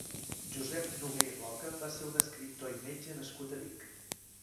Josep Nogué i Roca va ser un escriptor i metge nascut a Vic.